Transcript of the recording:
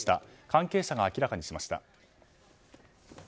関係者が明らかにしました。